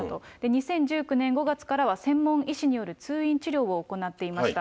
２０１９年５月からは、専門医師による通院治療を行っていました。